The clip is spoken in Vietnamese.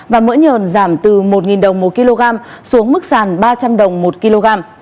và mỡ nhờn giảm từ một đồng một kg xuống mức sàn ba trăm linh đồng một kg